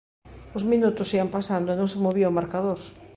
Os minutos ían pasando e non se movía o marcador.